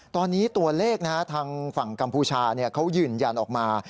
ตอนนี้ตัวเลขทางฝั่งกัมพูชาเขายืนยันออกมา